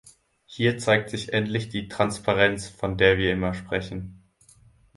Hier zeigt sich endlich die Transparenz, von der wir immer sprechen.